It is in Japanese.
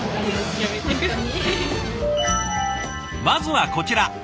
まずはこちら。